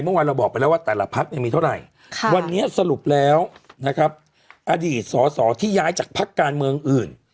เมื่อวานเราบอกไปแล้วว่าแต่ละพักเนี่ยมีเท่าไหร่วันนี้สรุปแล้วนะครับอดีตสอสอที่ย้ายจากพักการเมืองอื่น